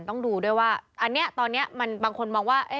ต้องดูด้วยว่าณตอนนี้มันบางคนบอกว่า